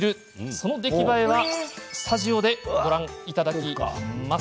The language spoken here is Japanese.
その出来栄えは、スタジオでご覧いただきます。